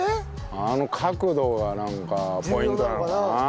あの角度がなんかポイントなのかな。